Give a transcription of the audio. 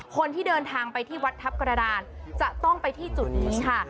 คนที่เดินทางไปที่วัดทัพกระดานจะต้องไปที่จุดนี้ค่ะ